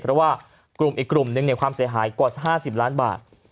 เพราะว่ากลุ่มอีกกลุ่มหนึ่งความเสียหายกว่า๕๐ล้านบาท